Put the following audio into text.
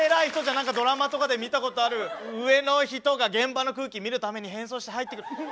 何かドラマとかで見たことある上の人が現場の空気見るために変装して入ってくる。